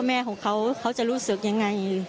พ่อแม่เขาจะรู้สึกอย่างไร